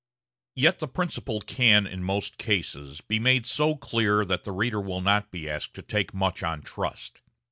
Yet the principle can in most cases be made so clear that the reader will not be asked to take much on trust.